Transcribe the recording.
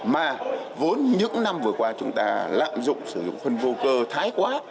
mà vốn những năm vừa qua chúng ta lạm dụng sử dụng phân vô cơ thái quá